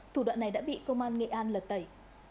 thủ đoạn này đã bị công an nghệ an lật tẩy